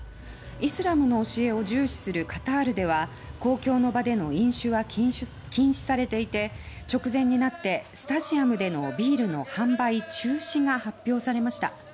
イスラムの教えを重視するカタールでは公共の場での飲酒は禁止されていて直前になってスタジアムでのビールの販売中止が発表されました。